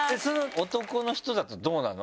男の人だとどうなの？